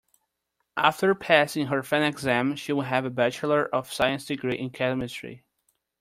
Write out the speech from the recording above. After passing her final exam she will have a bachelor of science degree in chemistry.